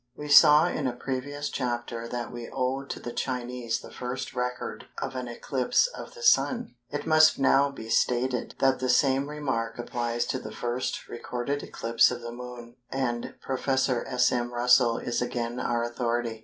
We saw in a previous chapter that we owe to the Chinese the first record of an eclipse of the Sun. It must now be stated that the same remark applies to the first recorded eclipse of the Moon, and Prof. S. M. Russell is again our authority.